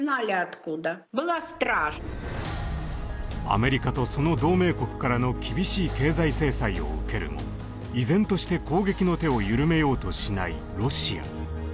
アメリカとその同盟国からの厳しい経済制裁を受けるも依然として攻撃の手を緩めようとしないロシア。